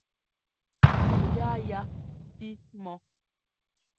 Cúʼ yáa ya pí mɔ́.